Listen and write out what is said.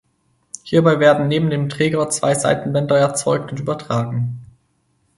Hierbei werden neben dem Träger zwei Seitenbänder erzeugt und übertragen.